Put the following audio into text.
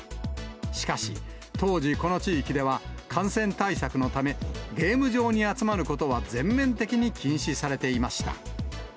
しかし、当時、この地域では感染対策のため、ゲーム場に集まることは全面的に禁止されていました。